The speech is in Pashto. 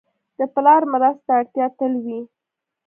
د پلار مرستې ته اړتیا تل وي.